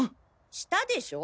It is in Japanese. したでしょ？